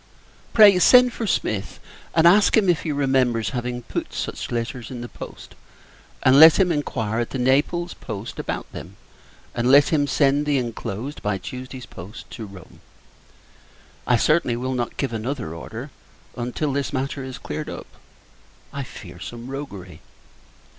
Pray, send for Smith; and ask him, if he remembers having put such letters in the post, and let him inquire at the Naples post about them: and let him send the inclosed, by Tuesday's post, to Rome. I certainly will not give another order until this matter is cleared up. I fear some roguery.